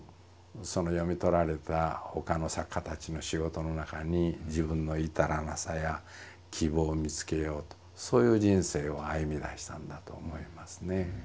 その読み取られた他の作家たちの仕事の中に自分の至らなさや希望を見つけようとそういう人生を歩みだしたんだと思いますね。